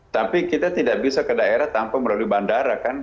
tapi kita tidak bisa ke daerah tanpa melalui bandara kan